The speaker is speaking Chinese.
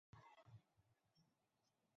衡阳高新技术产业开发区